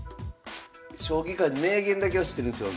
将棋が名言だけは知ってるんすよ。